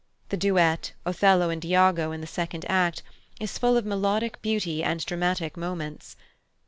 The duet, Othello and Iago, in the second act, is full of melodic beauty and dramatic moments.